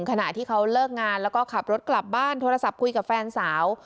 ขณะที่เขาเลิกงานแล้วก็ขับรถกลับบ้านโทรศัพท์คุยกับแฟนสาว